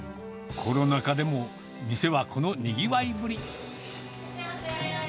コロナ禍でも店はこのにぎわいぶり。